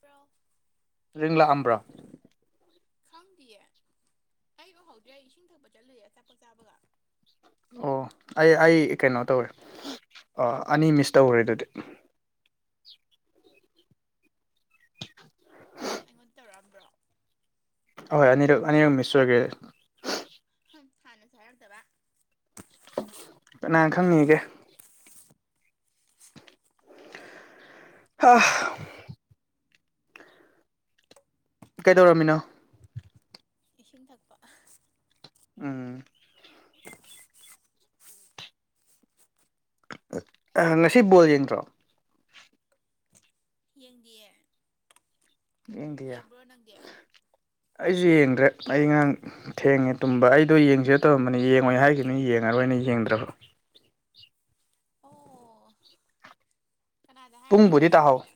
bro ꯔꯤꯡ ꯂꯥꯛ ꯑꯝꯕꯔꯥ ꯈꯪꯗꯤꯌꯦ ꯑꯩ ꯎꯍꯧꯗ꯭ꯔꯦ ꯑꯩ ꯏꯁꯤꯡ ꯊꯛꯄ ꯆꯠꯂꯨꯏꯑꯦ ꯑꯆꯥꯄꯣꯠ ꯆꯥꯕꯒ ꯑꯣ ꯑꯩ ꯑꯩ ꯀꯩꯅꯣ ꯇꯧꯋꯦ ꯑ ꯑꯅꯤ ꯃꯤꯁ ꯇꯧꯈꯔꯦ ꯑꯗꯨꯗꯤ ꯅꯪ ꯑꯩꯉꯣꯟꯗ ꯇꯧꯔꯛꯑꯝꯕ꯭ꯔꯣ ꯑꯍꯣꯏ ꯑꯅꯤꯔꯛ ꯑꯅꯤꯔꯛ ꯃꯤꯁ ꯑꯣꯏꯒꯔꯦ ꯍꯥꯟꯅꯁꯨ ꯍꯥꯏꯔꯛꯇꯕ ꯀꯅꯥꯅ ꯈꯪꯅꯤꯒꯦ ꯍ ꯀꯩꯗꯧꯔꯝꯃꯤꯅꯣ ꯏꯁꯤꯡ ꯊꯛꯄ ꯎꯝ ꯉꯁꯤ ꯕꯣꯜ ꯌꯦꯡꯗ꯭ꯔꯣ ꯌꯦꯡꯗꯤꯌꯦ ꯌꯦꯡꯗꯤꯌꯦ ꯌꯦꯡꯕ꯭ꯔꯣ ꯅꯪꯗꯤ ꯑꯩꯁꯨ ꯌꯦꯡꯗ꯭ꯔꯦ ꯑꯩ ꯉꯔꯥꯡ ꯊꯦꯡꯉꯦ ꯇꯨꯝꯕ ꯑꯩꯗꯣ ꯌꯦꯡꯁꯤꯔ ꯇꯧꯔꯝꯕꯅꯤ ꯌꯦꯡꯉꯣꯏ ꯍꯥꯏꯈꯤꯕꯅꯤ ꯌꯦꯡꯉꯔꯣꯏ ꯑꯩꯅ ꯌꯦꯡꯗ꯭ꯔꯕ ꯑꯣ ꯀꯅꯥꯗ ꯍꯥꯏꯔꯤꯅꯣ ꯄꯨꯡꯕꯨꯗꯤ ꯇꯥꯍꯧ ꯌꯦꯡꯉꯣꯏꯅ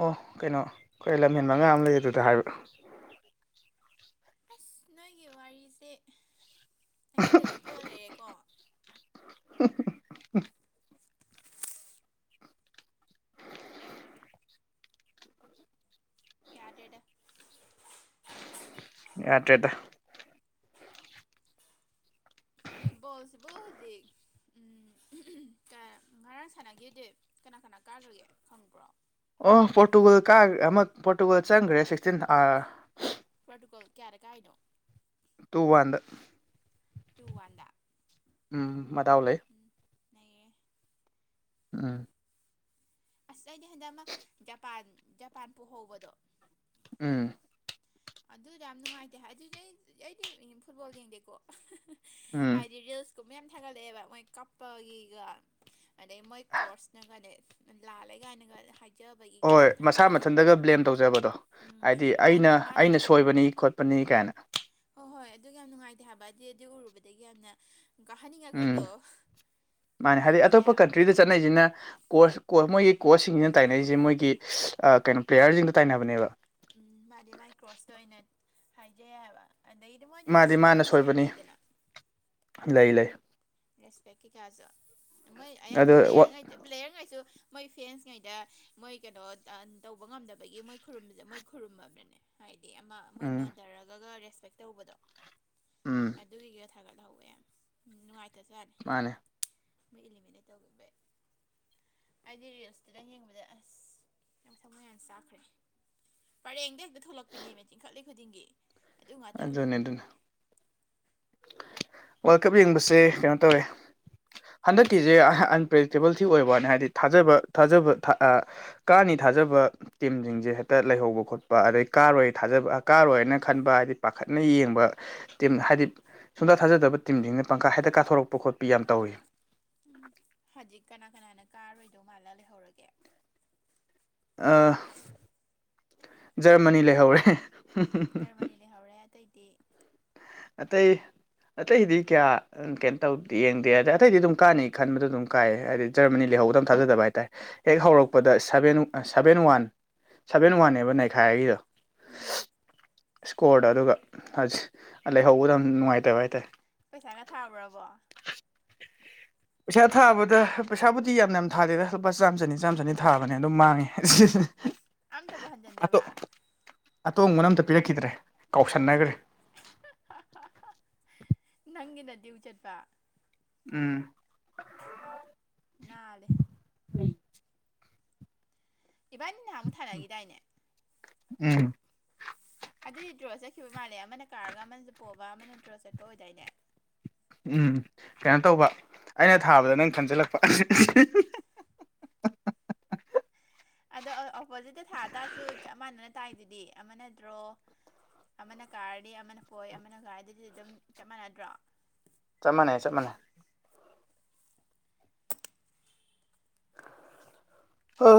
ꯑꯣ ꯀꯩꯅꯣ ꯈꯔ ꯂꯝꯍꯦꯟꯕ ꯑꯉꯥꯡ ꯑꯃ ꯂꯩꯌꯦ ꯑꯗꯨꯗ ꯍꯥꯏꯕ ꯑꯁ ꯅꯣꯏꯒꯤ ꯋꯥꯔꯤꯁꯦ ꯑꯩꯉꯣꯟꯗ ꯂꯤꯊꯣꯛꯑ ꯂꯩꯔꯦꯀꯣ [inaudible] ꯌꯥꯗꯔꯦꯗ ꯌꯥꯗꯔꯦꯗ ꯕꯣꯜꯁꯤꯕꯣ ꯍꯧꯖꯤꯛ ꯎꯝ ꯉ ꯉꯔꯥꯡ ꯁꯥꯟꯅꯈꯤꯗꯦ ꯀꯅꯥ ꯀꯅꯥ ꯀꯥꯈꯔꯒꯦ ꯈꯪꯕ꯭ꯔꯣ ꯑꯣ ꯄꯣꯔꯇꯨꯒꯜ ꯀꯥ ꯑꯃ ꯄꯣꯔꯇꯨꯒꯜ ꯆꯪꯈ꯭ꯔꯦ ꯁꯤꯛꯁꯇꯤꯟ ꯑꯥ ꯄ꯭ꯔꯣꯇꯨꯀꯜ ꯀꯌꯥꯗ ꯀꯥꯏꯅꯣ ꯇꯨ ꯋꯥꯟꯗ ꯇꯨ ꯋꯥꯟꯗ ꯎꯝ ꯃꯗꯥꯎ ꯑꯣ ꯂꯩ ꯎꯝ ꯅꯩꯔꯦ ꯎꯝ ꯑꯁ ꯑꯩꯗꯤ ꯍꯟꯗꯛ ꯑꯃ ꯖꯄꯥꯟ ꯖꯄꯥꯟ ꯄꯣꯍꯧꯕꯗꯣ ꯎꯝ ꯑꯗꯨꯗ ꯌꯥꯝ ꯅꯨꯡꯉꯥꯏꯇꯦ ꯍꯥꯏꯗꯤ ꯑꯩ ꯑꯩꯗꯤ ꯐꯨꯠꯕꯣꯜ ꯌꯦꯡꯗꯦꯀꯣ ꯎꯝ ꯍꯥꯏꯗꯤ ꯔꯤꯜꯁꯀꯨꯝꯕ ꯌꯥꯝ ꯊꯥꯒꯠꯂꯛꯑꯦꯕ ꯃꯣꯏ ꯀꯞꯄꯒꯤꯒ ꯑꯗꯩ ꯃꯣꯏ ꯀꯣꯔꯁꯅ ꯀꯅꯦ ꯂꯥꯜꯂꯦ ꯀꯥꯏꯅꯒ ꯍꯥꯏ ꯍꯣꯏ ꯃꯁꯥ ꯃꯊꯟꯇꯒ ꯕ꯭ꯂꯦꯝ ꯇꯧꯖꯕꯗꯣ ꯎꯝ ꯍꯥꯏꯗꯤ ꯃꯥꯅ ꯑꯩꯅ ꯃꯥꯅ ꯑꯩꯅ ꯁꯣꯏꯕꯅꯤ ꯎꯝ ꯈꯣꯠꯄꯅꯤ ꯀꯥꯏꯅ ꯍꯣꯏ ꯍꯣꯏ ꯑꯗꯨ ꯌꯥꯝ ꯅꯨꯡꯉꯥꯏꯇꯦ ꯍꯥꯏꯕ ꯑꯗꯨꯗꯤ ꯑꯗꯨ ꯎꯔꯨꯕꯗꯒꯤ ꯌꯥꯝꯅ ꯎꯝ ꯀꯥꯍꯟꯅꯤꯡꯉꯛꯈꯤꯕꯗꯣ ꯃꯥꯅꯦ ꯍꯥꯏꯗꯤ ꯅꯨꯡꯉꯥꯏꯕꯤꯗꯦ ꯑꯇꯣꯞꯄ ꯍꯥꯏꯕ ꯀꯟꯇ꯭ꯔꯤꯗ ꯆꯠꯅꯩꯁꯤꯅ ꯀꯣꯔꯁ ꯀꯣꯔꯁ ꯃꯣꯏꯒꯤ ꯀꯣꯆꯁꯤꯡꯁꯤꯅ ꯇꯥꯏꯅꯔꯤꯁꯦ ꯃꯣꯏꯒꯤ ꯀꯩꯅꯣ ꯄ꯭ꯂꯦꯌꯔꯁꯤꯡꯗ ꯇꯥꯏꯅꯕꯅꯦꯕ ꯎꯝ ꯃꯥꯗꯤ ꯃꯥꯏ ꯀ꯭ꯔꯣꯁꯇ ꯑꯣꯏꯅ ꯍꯥꯏꯖꯩ ꯍꯥꯏꯕ ꯑꯗꯩꯗꯤ ꯃꯣꯏꯗꯤ ꯃꯥꯗꯤ ꯃꯥꯅ ꯗꯤꯁꯤꯄ꯭ꯂꯤꯟꯁꯨ ꯌꯥꯝ ꯁꯣꯏꯕꯅꯤ ꯂꯩꯗꯅ ꯂꯩ ꯂꯩ ꯔꯦꯁꯄꯦꯛ ꯀꯩꯀꯥꯁꯨ ꯃꯣꯏ ꯑꯌꯥꯝꯕ ꯑꯗꯣ ꯋꯥ ꯄ꯭ꯂꯦꯌꯔꯉꯩꯗꯤ ꯄ꯭ꯂꯦꯌꯔꯉꯩꯁꯨ ꯃꯣꯏ ꯐꯦꯟꯁꯉꯩꯗ ꯃꯣꯏ ꯀꯩꯅꯣ ꯇꯧꯕ ꯉꯝꯗꯕꯒꯤ ꯃꯣꯏ ꯈꯨꯔꯨꯝꯕꯁꯦ ꯃꯣꯏ ꯈꯨꯔꯨꯝꯃꯕꯅꯦ ꯍꯥꯏꯗꯤ ꯍꯥꯏ ꯑꯃ ꯃꯣꯏ ꯎꯝ ꯅꯣꯟꯊꯔꯒ ꯔꯦꯁꯄꯦꯛ ꯇꯧꯕꯗꯣ ꯎꯝ ꯑꯗꯨꯒꯤ ꯊꯒꯠꯍꯋꯦ ꯅꯨꯡꯉꯥꯏ ꯃꯥꯅꯦ ꯃ ꯏꯂꯤꯃꯤꯅꯦ ꯇꯧꯒꯦ ꯑꯩꯗꯤ ꯔꯤꯜꯁꯇꯨꯗ ꯌꯦꯡꯕꯗ ꯑꯁ ꯊꯃꫭꯏ ꯌꯥꯝꯅ ꯆꯥꯈ꯭ꯔꯦ ꯄꯔꯦꯡꯗ ꯍꯦꯛꯇ ꯊꯣꯛꯂꯛꯄꯤꯅꯦꯃꯤ ꯆꯤꯡꯈꯠꯂꯤ ꯈꯨꯗꯤꯡꯒꯤ ꯑꯗꯨ ꯉꯥꯛꯇ ꯑꯗꯨꯅ‌ꯦ ꯑꯗꯨꯅ‌ꯦ ꯋꯥꯜꯀꯞ ꯌꯦꯡꯕꯁꯦ ꯀꯩꯅꯣ ꯇꯧꯋꯦ ꯍꯟꯗꯛꯀꯤꯁꯦ ꯑꯟꯄ꯭ꯔꯗꯤꯛꯇꯦꯕꯜ ꯑꯣꯏꯕ ꯋꯥꯅꯤ ꯍꯥꯏꯗꯤ ꯊꯥꯖꯕ ꯊꯥꯖꯕ ꯑꯃꯥ ꯀꯥꯅꯤ ꯊꯥꯖꯕ ꯇꯤꯝꯁꯤꯡꯁꯦ ꯍꯦꯛꯇ ꯂꯩꯍꯧꯕ ꯈꯣꯠꯄ ꯈꫭꯠ ꯑꯗꯩ ꯀꯥꯔꯣꯏ ꯊꯥꯖꯕ ꯀꯥꯔꯣꯏꯅ ꯈꯟꯕ ꯍꯥꯏꯗꯤ ꯄꯥꯈꯠ ꯅ ꯌꯦꯡꯕ ꯇꯤꯝ ꯍꯥꯏꯗꯤ ꯁꯨꯡꯊꯥ ꯊꯥꯖꯗꯕ ꯇꯤꯝꯁꯤꯡꯅ ꯄꯪꯀꯥ ꯍꯦꯛꯇ ꯀꯥꯊꯣꯔꯛꯄ ꯈꯣꯠꯄ ꯌꯥꯝ ꯇꯧꯏ ꯍꯧꯖꯤꯛ ꯀꯅꯥ ꯀꯅꯥꯅ ꯀꯥꯔꯔꯣꯏꯗꯧꯕ ꯃꯥꯜꯂꯥ ꯂꯩꯍꯧꯔꯒꯦ ꯑ ꯖꯔꯃꯅꯤ ꯂꯩꯍꯧꯔꯦ ꯖꯔꯃꯅꯤ ꯂꯩꯍꯧꯔꯦ ꯑꯇꯩ ꯑꯇꯩꯗꯤ ꯀꯌꯥ ꯀꯩꯅꯣ ꯇꯧꯗꯤ ꯌꯦꯡꯗꯦ ꯑꯗ ꯑꯇꯩꯗꯤ ꯑꯗꯨꯝ ꯀꯥꯅꯤ ꯈꯟꯕꯗ ꯑꯗꯨꯝ ꯀꯥꯏꯌꯦ ꯍꯥꯏꯗꯤ ꯖꯔꯃꯅꯤ ꯂꯩ ꯂꯩꯍꯧꯗꯝ ꯊꯥꯖꯗꯕ ꯍꯥꯏꯇꯥꯌ‌ꯦ ꯍꯦꯛ ꯎꯝ ꯍꯧꯔꯛꯄꯗ ꯁꯚꯦꯟ ꯁꯚꯦꯟ ꯋꯥꯟ ꯁꯚꯦꯟ ꯋꯥꯟꯅꯦꯕ ꯅꯩꯈꯥꯏꯔꯤꯗꯣ ꯎꯝ ꯏꯁꯀꯣꯔꯗ ꯑꯗꯨꯒꯍꯁ ꯂꯩꯍꯧꯕꯗ ꯅꯨꯡꯉꯥꯏꯇꯕ ꯍꯥꯏꯇꯥꯔꯦ ꯄꯩꯁꯥꯒ ꯊꯥꯕ꯭ꯔꯕꯣ ꯄꯩꯁꯥ ꯊꯥꯕꯗ ꯄꯩꯁꯥꯕꯨ ꯀꯤ ꯌꯥꯝ ꯌꯥꯝ ꯊꯥꯗꯦꯗ ꯂꯨꯄꯥ ꯆꯥꯝ ꯆꯅꯤ ꯆꯥꯝ ꯆꯅꯤ ꯊꯥꯕꯅꯦ ꯑꯗꯨꯝ ꯃꯥꯡꯉꯦ ꯑꯝ ꯇꯕ ꯍꯟꯖꯦꯟꯗꯕ ꯑꯇꯣꯡꯕꯅ ꯑꯝꯇ ꯄꯤꯔꯛꯈꯤꯗ꯭ꯔꯦ ꯀꯥꯎꯁꯟꯅꯒꯔꯦ ꯏ ꯅꯪꯒꯤꯅ ꯗꯤꯌꯨ ꯆꯠꯄ ꯎꯝ ꯅꯥꯜꯂ‌ꯦ ꯏꯕꯥꯅꯤ ꯅꯍꯥꯟꯃꯨꯛ ꯊꯥꯅꯒꯤꯗꯥꯏꯅꯦ ꯎꯝ ꯑꯗꯨꯗꯤ ꯗ꯭ꯔꯣ ꯆꯠꯈꯤꯕ ꯃꯥꯜꯂꯦ ꯑꯃꯅ ꯀꯥꯔꯒ ꯑꯃꯅ ꯄꯣꯕ ꯑꯃꯅ ꯗ꯭ꯔꯣ ꯆꯠꯄ ꯑꯣꯏꯗꯥꯏꯅꯦ ꯎꯝ ꯀꯩꯅꯣ ꯇꯧꯕ ꯑꯩꯅ ꯊꯥꯕꯗ ꯅꯪ ꯈꯟꯖꯤꯜꯂꯛꯄ [unintelligible] ꯑꯗꯣ ꯑꯣꯄꯣꯖꯤꯠꯇ ꯊꯥꯇꯥꯔꯁꯨ ꯆꯞ ꯃꯅꯅ ꯇꯥꯏꯗꯨꯗꯤ ꯑꯃꯅ ꯗ꯭ꯔꫭ ꯑꯃꯅ ꯀꯥꯔꯗꯤ ꯑꯃꯅ ꯄꯣꯏ ꯑꯃꯅ ꯀꯔꯗꯤ ꯑꯗꯨꯝ ꯆꯞ ꯃꯥꯟꯅꯗ꯭ꯔꯣ ꯆꯞ ꯃꯥꯟꯅꯩ ꯆꯞ ꯃꯥꯟꯅꯩ ꯑ [unintelligible]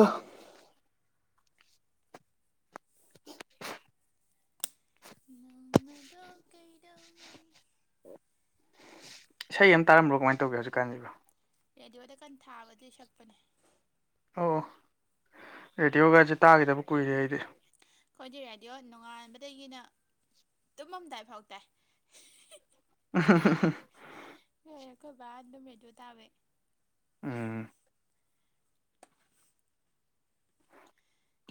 ꯅꯣꯡꯃꯗꯣ ꯀꯩꯗꯧꯉꯩꯏ ꯀꯩ ꯇꯔꯝꯕꯣ ꯀꯃꯥꯏ ꯇꯧꯒꯦ ꯍꯧꯖꯤꯛꯀꯥꯟꯁꯤꯕ ꯔꯦꯗꯤꯑꯣꯗ ꯀꯟꯅ ꯊꯥꯕꯗꯤ ꯁꯛꯄꯅꯦ ꯑꯣ ꯔꯦꯗꯤꯑꯣꯒꯁꯦ ꯇꯥꯈꯤꯗꯕ ꯀꯨꯏꯔꯦ ꯑꯩꯗꯤ ꯑꯩꯈꯣꯏꯗꯤ ꯔꯦꯗꯤꯑꯣ ꯅꯣꯡꯉꯥꯟꯕꯗꯒꯤꯅ ꯇꯨꯝꯃꯝꯗꯥꯏ ꯐꯥꯎ ꯇꯥꯏ ꯑ [unintelligible] ꯑꯩꯈꫭꯏ ꯕꯅꯥ ꯗꯨꯝ ꯔꯦꯗꯤꯌꯣꯇꯕꯩ ꯎꯝ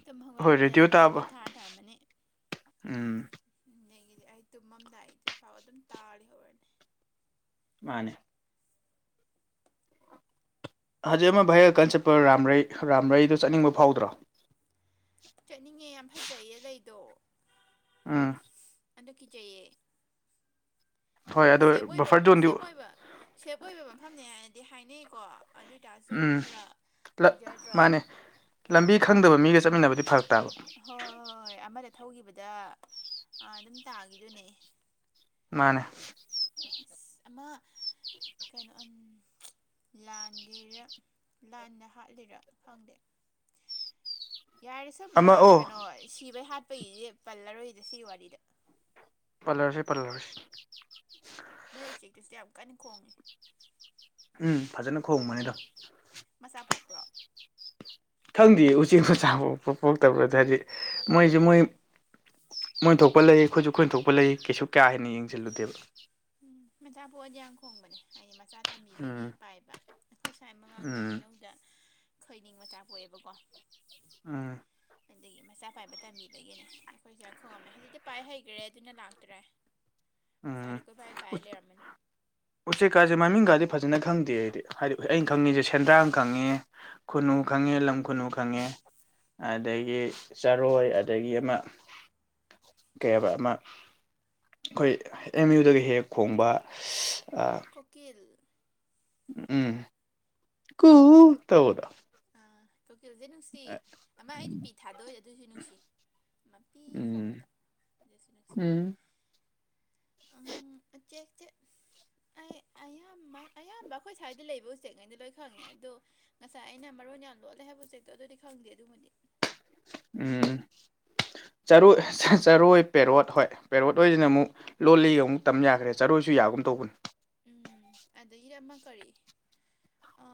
ꯇꯨꯝ ꯍꯣꯏ ꯍꯧꯒꯠꯂꯛꯄꯗ ꯔꯦꯗꯤꯑꯣ ꯑꯗꯨꯝ ꯇꯥꯕ ꯔꯦꯗꯤꯌꯣ ꯊꯔꯒ ꯊꯝꯃꯝꯅꯤ ꯎꯝ ꯑꯗꯒꯤꯗꯤ ꯑꯩ ꯇꯨꯝꯃꯝꯗꯥꯏꯗ ꯐꯥꯎ ꯑꯗꯨꯝ ꯇꯥꯔ ꯂꯩꯍꯧꯔꯅꯦ ꯃꯥꯅꯦ ꯍꯧꯖꯤꯛ ꯑꯃ ꯚꯥꯏꯔ‌ꯦꯜ ꯀꯟꯅ ꯆꯞꯄ ꫪꯝꫪꯩ ꫪꯝꫪꯩꯗꫭ ꯆꯠꯅꯤꯡꯕ ꯐꯥꯎꯗ꯭ꯔꯣ ꯆꯠꯅꯤꯡꯉꯦ ꯌꯥꯝ ꯐꯖꯩꯌꯦ ꯂꯩꯗꯣ ꯑꯝ ꯑꯗꯒꯤ ꯆꯌꯦ ꯍꯣꯏ ꯑꯗꯨꯣ ꯕꯐꯔ ꯖꯣꯟꯗꯤ ꯑꯣꯏꯕ ꯁꯦꯞ ꯑꯣꯏꯕ ꯃꯐꯝꯅꯦ ꯍꯥꯏꯅꯗꯤ ꯍꯥꯏꯅꯩꯀꯣ ꯑꯗꯨ ꯑꯣꯏꯇꯥꯔꯁꯨ ꯎꯝ ꯈꯔ ꯀꯤꯖꯗ꯭ꯔꯣ ꯃꯥꯅꯦ ꯂꯝꯕꯤ ꯈꯪꯗꯕ ꯃꯤꯒ ꯆꯠꯃꯤꯟꯅꯕꯗꯤ ꯐꯔꯛ ꯇꯥꯕ ꯍꯣꯏ ꯍꯣꯏ ꯍꯣꯏ ꯑꯃꯗ ꯊꯧꯈꯤꯕꯗ ꯑꯗꯨꯝ ꯇꯥꯈꯤꯗꯨꯅꯦ ꯃꯥꯅꯦ ꯃꯥ ꯀꯩꯅꯣ ꯂꯥꯟꯒꯦꯔ ꯂꯥꯟꯅ ꯍꯥꯠꯂꯤꯔꯥ ꯈꯪꯗꯦ [unintelligible] ꯌꯥꯔꯦ ꯁꯨꯝꯕ ꯑꯃ ꯑꯣ ꯀꯩꯅꯣ ꯁꯤꯕꯩ ꯍꯥꯠꯄꯒꯤꯗꯤ ꯄꯜꯂꯔꯣꯏꯗ ꯁꯤꯒꯤ ꯋꯥꯔꯤꯗ ꯄꯥꯂꯔꯣꯏꯁꯤ ꯄꯥꯂꯔꯣꯏꯁꯤ ꯅꯣꯏ ꯎꯆꯦꯛꯇꯨꯁꯨ ꯌꯥꯝ ꯀꯟꯅ ꯈꯣꯡꯉꯦ ꯎꯝ ꯐꯖꯅ ꯈꯣꯡꯕꯅꯤꯗꯣ ꯃꯆꯥ ꯄꯣꯛꯄ꯭ꯔꯣ ꯈꯪꯗꯦ ꯎꯆꯦꯛ ꯃꯆꯥ ꯄꯣꯛꯄ ꯄꯣꯛꯇ꯭ꯔꯥꯕꯗ ꯍꯥꯏꯗꯤ ꯃꯣꯏꯁꯦ ꯃꯣꯏ ꯃꯣꯏꯅ ꯊꯣꯛꯄ ꯂꯩ ꯑꯩꯈꯣꯏꯁꯨ ꯑꯩꯈꯣꯏꯅ ꯊꯣꯛꯄ ꯂꯩ ꯀꯩꯁꯨ ꯀꯥ ꯍꯦꯟꯅ ꯌꯦꯡꯁꯤꯜꯂꯨꯗꯦꯕ ꯃꯆꯥ ꯄꯣꯛꯑꯗꯤ ꯌꯥꯝ ꯈꯣꯡꯕꯅꯦ ꯍꯥꯏꯗꯤ ꯃꯆꯥ ꯇꯝꯕꯤꯕꯒꯤ ꯎꯝ ꯄꯥꯏꯕ ꯑꯩꯈꯣꯏ ꯁ꯭ꯋꯥꯏ ꯃꯃꯥꯡꯗ ꯎꯝ ꯍꯩꯅꯧꯗ ꯈꯣꯏꯅꯤꯡ ꯄꯆꯥ ꯄꯣꯛꯑꯦꯕꯀꯣ ꯎꯝ ꯑꯗꯒꯤ ꯃꯆꯥ ꯄꯥꯏꯕ ꯇꯝꯕꯤꯕꯒꯤꯅꯦ ꯑꯩꯈꯣꯏꯁ ꯌꯥꯝ ꯈꯣꯡꯉꯝꯃꯦ ꯍꯧꯖꯤꯛꯇꯤ ꯄꯥꯏ ꯍꯩꯈ꯭ꯔꯦ ꯑꯗꯨꯅ ꯂꯥꯛꯇ꯭ꯔꯦ ꯎꯝ ꯑꯁꯥꯗꯤ ꯀꯣꯏꯄꯥꯏ ꯎ ꯄꯥꯏ ꯂꯩꯔꯝꯃꯅꯤ ꯎꯆꯦ ꯀꯁꯦ ꯃꯃꯤꯡꯒꯥꯗꯤ ꯐꯖꯅ ꯈꯪꯗꯦ ꯍꯥꯏꯗꯤ ꯍꯥꯏꯗꯤ ꯑꯩꯅ ꯈꯪꯉꯤꯁꯦ ꯁꯦꯟꯗ꯭ꯔꯥꯡ ꯈꯪꯉꯦ ꯈꯨꯟꯅꯨ ꯈꯪꯉꯦ ꯂꯝ ꯈꯨꯟꯅꯨ ꯈꯪꯉꯦ ꯑꯗꯒꯤ ꯆꯔꯣꯏ ꯑꯗꯒꯤ ꯑꯃ ꯀꯌꯥꯕ ꯑꯃ ꯑꯩꯈꯣꯏ ꯑꯦꯝ ꯌꯨꯗꯒꯤ ꯍꯦꯛ ꯈꯣꯡꯕ ꯀꯣꯀꯤꯜ ꯎꯝ ꯀꯨ ꯇꯧꯕꯗꯣ ꯑꯥ ꯀꯣꯀꯤꯜꯁꯦ ꯅꯨꯡꯁꯤ ꯑꯃ ꯑꯩꯗꯤ ꯄꯤ ꯊꯥꯗꯣꯏꯗꯣ ꯑꯗꯨꯁꯨ ꯅꯨꯡꯁꯤ ꯃꯄꯤ ꯎꯝ ꯊꯣꯡꯕꯗ ꯖꯁꯨ ꯅꯨꯡꯁꯤ ꯎꯝ ꯆꯦꯛ ꯆꯦꯛ [unintelligible] ꯑꯌꯥꯝꯕ ꯑꯌꯥꯝꯕ ꯑꯩꯈꯣꯏ ꯁ꯭ꯋꯥꯏꯗ ꯂꯩꯕ ꯎꯆꯦꯛꯉꯩꯩꯅ ꯂꯣꯏ ꯈꯪꯉꯦ ꯑꯗꯣ ꯉꯁꯥꯏ ꯑꯩꯅ ꯃꯔꯣꯟ ꯌꯥꯝ ꯂꯣꯠꯂꯦ ꯍꯥꯏꯕ ꯎꯆꯦꯛꯇꯣ ꯑꯗꯨꯗꯤ ꯈꯪꯗꯦ ꯑꯗꯨꯃꯗꯤ ꯎꯝ ꯆꯔꯣꯏ ꯆꯔꯣꯏ ꯄꯦꯔꯣꯠ ꯍꯣꯏ ꯄꯦꯔꯣꯠ ꯍꯣꯏꯁꯤꯅ ꯑꯃꯨꯛ ꯂꯣꯜꯂꯤ ꯑꯃꯨꯛ ꯇꯝ ꯌꯥꯈ꯭ꯔꯦ ꯆꯔꯣꯏꯁꯤ ꯌꯥꯒꯨꯝ ꯇꯧꯕꯅꯤ ꯎꯝ ꯑꯗꯒꯤꯗꯤ ꯑꯃ ꯀꯔꯤ ꯑ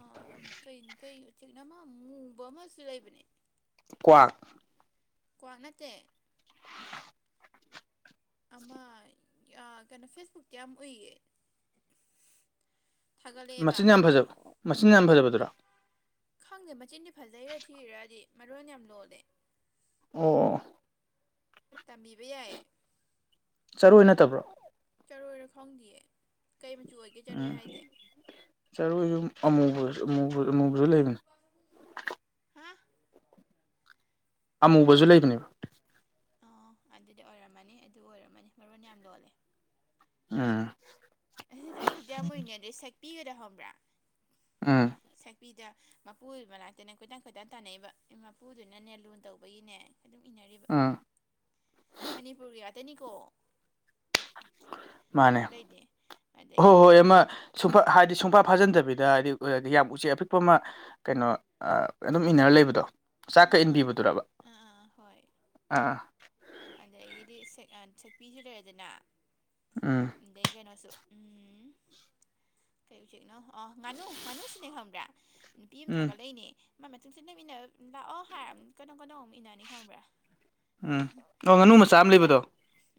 ꯀꯩ ꯀꯩ ꯑꯃ ꯃꯨꯕ ꯑꯃꯁꯨ ꯂꯩꯕꯅꯦ ꯀ꯭ꯋꯥꯛ ꯀ꯭ꯋꯥꯛ ꯅꯠꯇꯦ ꯑꯃ ꯀꯩꯅꯣ ꯐꯦꯁꯕꯨꯛꯇꯤ ꯌꯥꯝ ꯎꯏꯌꯦ ꯊꯥꯒꯠꯂꯛꯑꯦꯕ ꯃꯆꯤꯟ ꯌꯥꯝ ꯐꯖꯕ ꯃꯆꯤꯟ ꯌꯥꯝ ꯐꯖꯕꯗꯨꯔꯥ ꯈꯪꯗꯦ ꯃꯆꯤꯟꯗꯤ ꯐꯖꯩꯔꯥ ꯊꯤꯔꯗꯤ ꯃꯔꯣꯟ ꯌꯥꯝ ꯂꯣꯜꯂꯦ ꯑꯣ ꯇꯝꯕꯤꯕ ꯌꯥꯏ ꯆꯔꯣꯏ ꯅꯠꯇꯕ꯭ꯔꯣ ꯆꯔꯣꯏꯔ ꯈꯪꯗꯌꯦ ꯀꯩ ꯃꯆꯨ ꯑꯣꯏꯒꯦ ꯎꯝ ꯆꯔꯣꯏ ꯍꯥꯏꯁꯦ ꯆꯔꯣꯏꯁꯨ ꯑꯃꯨꯕ ꯑꯃꯨꯕ ꯑꯃꯨꯕꯁꯨ ꯂꯩꯕꯅꯦ ꯍꯥ ꯑꯃꯨꯕꯁꯨꯨ ꯑꯗ ꯂꯩꯅꯦꯕ ꯑꯗꯨꯗꯤ ꯑꯣꯏꯔꯝꯃꯅꯤ ꯑꯗꯨ ꯑꯣꯏꯔꯝꯃꯅꯤ ꯃꯔꯣꯟ ꯌꯥꯝ ꯂꯣꯜꯂꯦ ꯎꯝ ꯑꯁꯤ ꯐꯦꯁꯕꯨꯛꯇ ꯌꯥꯝꯃꯨꯔꯤꯅꯦ ꯑꯗꯩ ꯁꯦꯛꯄꯤꯒꯗ ꯍꯪꯕ꯭ꯔꯥ ꯎꯝ ꯁꯛꯄꯤꯗ ꯃꯄꯨꯗꯨ ꯃꯅꯥꯛꯇꯅꯦ ꯈꯣꯏꯇꯪ ꯈꯣꯏꯇꯥꯟ ꯇꯥꯟꯅꯩꯕ ꯏ ꯃꯄꯨꯗꯨꯅꯅꯦ ꯂꯨ ꯇꯧꯕꯒꯤꯅꯦ ꯑꯥ ꯃꯅꯤꯄꯨꯔ ꯇꯅꯤꯀꯣ ꯃꯥꯅꯦ ꯍꯣꯏ ꯑꯗꯒꯤ ꯍꯣꯏ ꯀꯩꯅꯣ ꯑꯥ ꯑꯃ ꯁꯨꯡꯐ ꯍꯥꯏꯗꯤ ꯁꯨꯡꯄꯥ ꯐꯥꯖꯤꯟꯗꯕꯤꯗ ꯗ ꯍꯥꯏꯗꯤ ꯌꯥꯝ ꯎꯆꯦꯛ ꯑꯄꯤꯛꯄ ꯑꯃ ꯀꯩꯅꯣ ꯑꯗꯨꯝ ꯏꯟꯅꯔ ꯂꯩꯕꯗꯣ ꯆꯥꯛꯀ ꯑꯥ ꯏꯟꯕꯤꯕꯗꯨꯔꯕ ꯑꯥ ꯑꯥ ꯍꯣꯏ ꯑꯥ ꯑꯗꯒꯤꯗꯤ ꯁꯛꯄꯤꯁꯨ ꯂꯩꯔꯦꯗꯅ ꯎꯝ ꯑꯗꯩ ꯀꯩꯅꯣꯁꯨ ꯎꯝ ꯀꯩ ꯎꯆꯦꯛꯅꯣ ꯑꯣ ꯉꯥꯅꯨ ꯉꯥꯅꯨ ꯁꯤꯅꯦ ꯈꯪꯕ꯭ꯔꯥ ꯅꯨꯄꯤ ꯑꯃ ꯎꯝ ꯊꯥꯒꯠꯂꯛꯏꯅꯦ ꯃꯥ ꯃꯇꯨꯡꯁꯦ ꯅꯝꯃꯤꯟꯅ ꯂꯥꯛꯑꯣ ꯍꯥꯏ ꯀꯩꯅꯣ ꯀꯩꯅꯣ ꯑꯃꯨꯛ ꯏꯟꯅꯅꯤ ꯈꯪꯕ꯭ꯔꯥ ꯎꯝ ꯑꯣ ꯉꯥꯅꯨ ꯌꯥꯝ ꯃꯆꯥ ꯑꯃ ꯂꯩꯕꯗꯣ ꯅꯣꯛꯅꯤꯡꯖꯥꯠꯅꯤ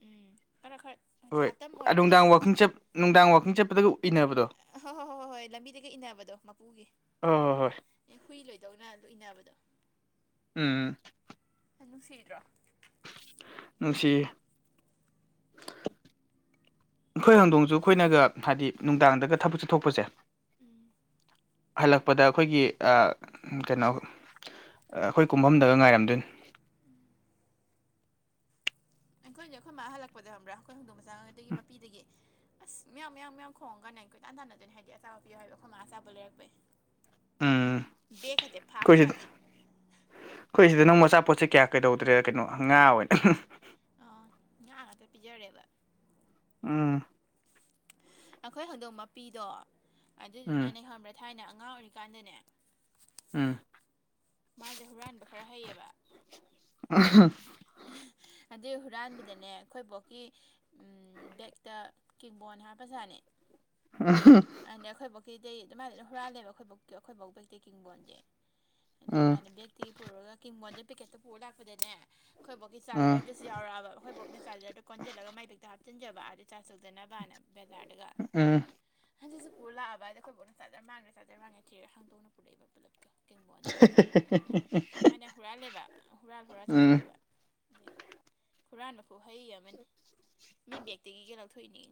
ꯎꯝ ꯈꯔ ꯈꯔ ꯍꯣꯏ ꯍꯥꯇꯝ ꯑꯣꯏꯔꯕꯗꯣ ꯅꯨꯡꯗꯥꯡ ꯋꯥꯀꯤꯡ ꯆꯠ ꯅꯨꯡꯗꯥꯡ ꯋꯥꯀꯤꯡ ꯆꯠꯄꯗꯒ ꯏꯟꯅꯕꯗꯣ ꯍꯣꯏ ꯍꯣꯏ ꯍꯣꯏ ꯍꯣꯏ ꯍꯣꯏ ꯂꯝꯕꯤꯗꯒ ꯏꯟꯅꯕꯗꯣ ꯃꯄꯨꯒꯤ ꯍꯣꯏ ꯍꯣꯏ ꯍꯣꯏ ꯑꯦ ꯍꯨꯏ ꯂꯣꯏ ꯇꯧꯅ ꯂꯣꯏꯅꯕꯗꯣ ꯎꯝ ꯑꯅꯅꯨꯡꯁꯤꯗ꯭ꯔꯣ ꯁꯤ ꯑꯩꯈꯣꯏ ꯍꯧꯪꯗꯣꯡꯁꯨ ꯍꯣꯏ ꯑꯩꯈꯣꯏꯅꯒ ꯍꯥꯏꯗꯤ ꯅꯨꯡꯗꯥꯡꯗꯒ ꯊꯕꯛꯁꯠꯊꯄꯁꯦ ꯎꯝ ꯍꯜꯂꯛꯄꯗ ꯑꯩꯈꯣꯏꯒꯤ ꯀꯩꯅꯣ ꯑꯩꯈꯣꯏ ꯀꯨꯝꯐꯝꯗꯒ ꯉꯥꯏꯔꯝꯗꯣꯏꯅꯤ ꯑꯩꯈꯣꯏꯅꯦ ꯑꯩꯈꯣꯏ ꯃꯥ ꯍꯜꯂꯛꯄꯗ ꯍꯪꯕ꯭ꯔꯥ ꯑꯩꯈꯣꯏ ꯍꯧꯣꯡꯗꯣꯡ ꯃꯆꯥ ꯑꯗꯨꯗꯒꯤ ꯃꯄꯤꯗꯒꯤ ꯑꯁ ꯃꯌꯥꯝ ꯃꯌꯥꯝ ꯃꯌꯥꯝ ꯈꯣꯡꯉꯒꯅꯦ ꯀꯣꯏ ꯇꯥꯟ ꯇꯥꯟꯅꯗꯅꯤ ꯍꯥꯏꯗꯤ ꯑꯆꯥꯕ ꯄꯤꯌꯨ ꯍꯥꯏꯕ ꯑꯩꯈꯣꯏꯅꯥꯥ ꯑꯆꯥꯕ ꯂꯩꯔꯛꯄꯩ ꯎꯝ ꯦꯈꯗꯤꯦ ꯑꯩꯈꯣꯏꯁꯤ ꯐꯥꯁꯅꯦ ꯑꯆꯥꯄꯣꯠꯁꯦ ꯀꯌꯥ ꯀꯩꯗꯧꯗ꯭ꯔꯦ ꯀꯩꯅꯣ ꯉꯥ ꯑꯣꯏꯅ ꯑ ꯉꯥꯏꯍꯥꯛ ꯉꯥꯛꯇ ꯄꯤꯖꯔꯦꯕ ꯎꯝ ꯑꯩꯈꯣꯏ ꯍꯧꯗꯣꯡ ꯃꯄꯤꯗꯣ ꯎꯝ ꯑꯗꯨꯗꯨꯅꯅꯦ ꯈꯕ꯭ꯔꯥ ꯊꯥꯏꯅ ꯑꯉꯥꯡ ꯑꯣꯏꯔꯤꯀꯥꯟꯗꯅꯦ ꯎꯝ ꯃꯥꯁꯦ ꯍꯨꯔꯥꯟꯕ ꯈꯔ ꯍꯩꯌꯦꯕ ꯑ ꯑꯗꯨꯩ ꯍꯨꯔꯥꯟꯕꯗꯅꯦ ꯑꯩꯈꯣꯏ ꯕꯣꯛꯀꯤ ꯕꯦꯛꯇ ꯀꯕꯣꯟ ꯍꯥꯞꯄꯖꯥꯠꯅꯦ ꯑ ꯀꯩ ꯑꯗꯨꯃꯥꯏꯅ ꯑꯗꯨꯅ ꯍꯨꯔꯥꯜꯂꯦꯕ ꯑꯩꯈꯣꯏꯕꯧ ꯑꯩꯈꯣꯏꯐꯥꯎꯕ ꯇꯦꯛꯀꯤꯡꯕꯣꯟꯗꯤ ꯑꯗꯩ ꯎꯝ ꯃꯥꯅ ꯕꯦꯛꯇꯤꯒꯤ ꯄꯨꯔꯨꯔꯒꯣꯟꯗ ꯄꯤꯀꯦꯠꯇ ꯄꯨ ꯂꯥꯛꯄꯗꯅꯦ ꯑꯩꯣꯏꯕꯣꯛꯀꯤ ꯎꯝ ꯆꯥꯔꯖꯔꯗꯨꯁꯨ ꯌꯥꯎꯔꯑꯕꯈꯣꯏꯕꯣꯛꯅ ꯆꯥꯔꯗꯨꯣ ꯀꯣꯟꯁꯤꯜꯂꯒꯥꯏꯦꯛꯇ ꯍꯥꯞ ꯆꯤꯟꯖꯕ ꯑꯥꯗ ꯆꯥꯖꯣꯛꯗꯅꯕꯅ ꯕꯦꯖꯥꯗꯒ ꯎꯝ ꯍꯖꯤꯛꯁꯤ ꯄꯨꯔ ꯂꯑ ꯍꯥꯏ ꯑꯩꯈꯣꯏꯕꯅ ꯆꯥꯔ ꯃꯥꯡꯗꯦ ꯆꯥꯔ ꯃꯥꯡꯉꯦꯤꯔꯦ ꯍꯥꯡꯗꯅ ꯄꯨꯔꯛꯏꯕ ꯄꯨꯂꯞ ꯕꯣ ꯑꯗꯨꯒ ꯃꯥꯃꯅ ꯍꯨꯔꯥꯜꯂꯦꯕ ꯍꯨꯔꯥꯜ ꯍꯨꯔꯜ ꯎꯝ ꯆꯥꯊꯣꯛꯑꯦꯕ ꯈꯨꯨꯔꯅꯈꯣ ꯍꯩ ꯑꯃꯅꯤ ꯃꯤ ꯕꯦꯛꯇꯒꯤꯒ ꯂ ꯊꯣꯏꯅꯤ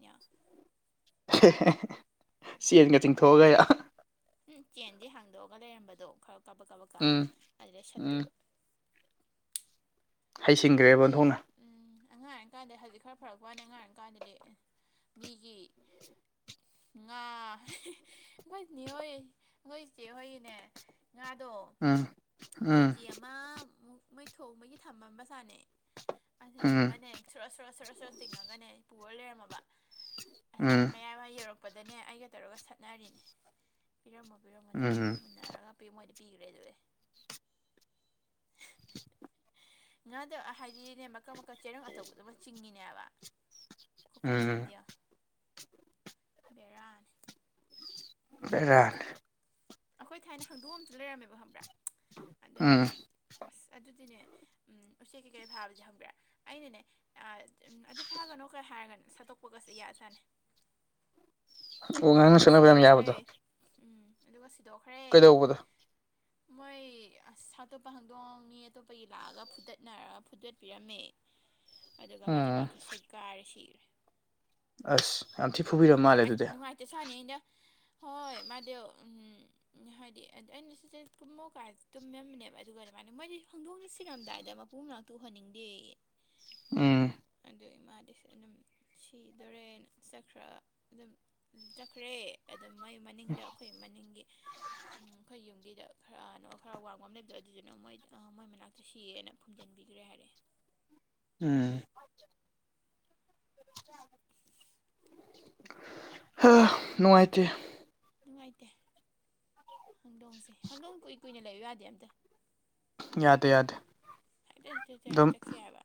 ꯁꯤ ꯑꯦꯟꯒꯁꯤꯡ ꯊꯒ ꯎꯝ ꯆꯦꯟꯁ ꯍꯥꯡꯗꯣꯛꯑꯒ ꯂꯩꯔꯝꯕꯗꯣ ꯈꯔ ꯀꯥꯕ ꯀꯕ ꯀ ꯎꯝ ꯑꯗꯨꯗꯩ ꯎꯝ ꯁꯠꯇꯨꯕ ꯈꯨꯍꯩ ꯍꯩꯁꯤꯡꯈ꯭ꯔꯦꯕꯟꯊꯣꯛꯅ ꯑꯃ ꯎꯝ ꯑꯉꯥꯡ ꯑꯣꯏꯔꯤꯀꯥꯟꯗꯗꯤ ꯍꯧꯖꯤꯛ ꯈꯔ ꯐꯔꯛꯄꯅꯦ ꯑꯉꯥꯡ ꯑꯣꯏꯔꯤ ꯀꯥꯟꯗꯗꯤ ꯃꯤꯒꯤ ꯉꯥ ꯑꯩꯈꯣꯏꯅꯦ ꯍꯣꯏ ꯑꯩꯈꯣꯏ ꯏꯆꯦ ꯍꯣꯏꯒꯤꯅꯦ ꯉꯥꯗꯣ ꯎꯝ ꯎꯝ ꯀꯦꯖꯤ ꯑꯃꯃꯨꯛ ꯃꯩ ꯊꯣꯡꯕꯒꯤ ꯊꯝꯃꯝꯕ ꯆꯥꯅꯦ ꯎꯝ ꯑꯗꯨꯗꯨꯃꯅꯦ ꯁꯨꯔ ꯁꯨꯔ ꯁꯨꯔ ꯁꯨꯔ ꯆꯤꯡꯉꯒꯅꯦ ꯄꯨꯔ ꯂꯩꯔꯝꯃꯕ ꯉꯁꯥꯏ ꯎꯝ ꯃꯌꯥꯝ ꯑꯃ ꯌꯧꯔꯛꯄꯗꯅꯦ ꯑꯩꯒ ꯇꯧꯔꯒ ꯁꯠꯅꯔꯤꯅꯦ ꯎꯝ ꯄꯤꯔꯝꯃꯣꯤꯔꯝꯃꯣꯧꯔꯣꯨꯟꯅꯔꯒ ꯄꯤ ꯃꯣꯏꯗꯤ ꯉꯥꯗ ꯍꯥꯏꯗꯤꯅꯦ ꯃꯀꯛ ꯃꯀꯛ ꯆꯦꯔꯪ ꯑꯊꯧꯕ ꯑꯗꯨꯝ ꯆꯤꯡꯉꯤꯅꯤ ꯎꯝ ꯈꯨꯀꯟꯗꯗ ꯕꯦꯔꯥꯅꯤ ꯕꯔꯥꯜ ꯑꯩꯈꯣꯏ ꯊꯥꯏꯅ ꯍꯥꯡꯗꯣꯛꯑꯝꯗꯨ ꯂꯩꯔꯝꯃꯦꯕ ꯍꯕ꯭ꯔꯥ ꯎꯝ ꯑꯁ ꯑꯗꯨꯗꯤꯅꯦ ꯎꯆꯦꯛ ꯀꯩꯀꯩ ꯐꯥꯕꯗꯤ ꯍꯪꯕꯤ꯭ꯔ ꯑꯩꯅꯅꯦ ꯑꯗꯨ ꯐꯥꯒꯅꯣ ꯑꯗꯨꯒ ꯍꯥꯏꯔꯒꯅ ꯁꯠꯇꯣꯛꯄꯒꯁꯤ ꯌꯥ ꯁꯥꯥꯅꯩ ꯑꯣ ꯉꯥꯡꯅ ꯁꯥꯟꯅꯕ ꯌꯥꯝ ꯁꯤꯗꯣꯛꯈ꯭ꯔꯦ ꯌꯥꯕꯗꯣ ꯎꯝ ꯑꯗꯨꯒ ꯁꯤꯗꯣꯛꯈ꯭ꯔꯦ ꯀꯩꯗꯧꯕꯗꯣ ꯃꯣꯏ ꯑꯁ ꯑꯇꯣꯞꯄ ꯍꯪꯗꯣꯡ ꯃꯤ ꯑꯇꯣꯞꯄꯒꯤ ꯂꯥꯛꯑꯒ ꯐꯨꯗꯠꯅꯔꯒ ꯐꯨꯠꯇꯠꯄꯤꯔꯝꯃꯦ [inaudible] ꯑꯗꯨꯒ ꯎꯝ ꯃꯊꯕꯥꯛꯇꯨ ꯁꯦꯛꯀꯥꯏꯔꯁꯤ ꯑꯁ ꯌꯥꯝ ꯊꯤ ꯐꯨꯕꯤꯔꯝ ꯃꯥꯜꯂꯦ ꯑꯗꯨꯗꯤ ꯅꯨꯡꯉꯥꯏꯇꯁꯥꯅꯤ ꯑꯩꯅ [inaudible] ꯍꯣꯏ ꯃꯥꯗ ꯎꯝ ꯍꯥꯏꯗꯤ ꯑꯗꯨ ꯑꯩꯅ ꯁꯤꯁꯦ ꯀꯨꯝꯃꯧꯀꯥꯁꯦ ꯇꯨꯝꯃꯝꯅꯦꯕ ꯑꯗꯨꯒꯔ ꯃꯥꯅꯦ ꯃꯗꯤ ꯐꯪꯗꯣꯛꯅ ꯁꯤꯔꯝꯗꯥꯏꯗ ꯃꯄꯨꯝ ꯉꯅꯥꯛꯇꯣꯛꯍꯟꯅꯤꯡꯗꯦ ꯑ ꯑꯗ ꯏꯃꯥꯗꯤꯁꯨ ꯑꯗꯨꯝ ꯁꯤꯗꯣꯔꯦ ꯆꯠꯈ꯭ꯔ ꯑꯗꯨꯝ ꯆꯈ꯭ꯔꯦ ꯑꯗꯨꯝ ꯃꯥꯏ ꯃꯅꯤꯡꯗ ꯑꯩꯈꯣꯏ ꯃꯅꯤꯡꯒꯤ ꯑꯩꯈꯣꯏ ꯌꯨꯝ ꯈꯔ ꯀꯩꯅꯣ ꯈꯔ ꯋꯥꯡꯕ ꯑꯃ ꯂꯩꯕꯗꯣ ꯑꯗꯨꯗꯨꯅ ꯃꯣꯏ ꯃꯣꯏ ꯃꯅꯥꯛꯇ ꯁꯤꯌꯦꯅ ꯐꯨꯝꯖꯤꯟꯕꯤꯈ꯭ꯔꯦ ꯍꯥꯏꯔꯛꯑꯦ ꯎꯝ [inaudible] ꯍ ꯅꯨꯡꯉꯥꯏꯇ ꯅꯨꯡꯉꯥꯏꯇꯦ ꯍꯧꯪꯗꯣꯡꯁꯦ ꯍꯥꯡꯗꯣꯡ ꯀꯨꯏ ꯀꯨꯏꯅ ꯂꯩꯕ ꯌꯥꯗꯦ ꯑꯝꯇ ꯌꯥꯗꯦ ꯌꯥꯗꯦ ꯍꯥꯏꯐꯦꯠ ꯍꯥꯏꯐꯦꯠ ꯑꯗꯨꯝ ꯆꯠꯈꯤ ꯍꯥꯏꯕ